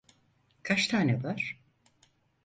Kaç tane var?